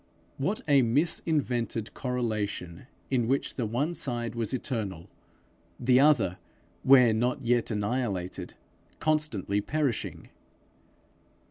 What a mis invented correlation in which the one side was eternal, the other, where not yet annihilated, constantly perishing!